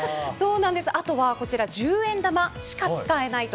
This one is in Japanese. あとは、十円玉しか使えないと。